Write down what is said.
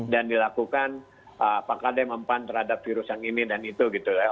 dan dilakukan apakah ada yang mempun terhadap virus yang ini dan itu gitu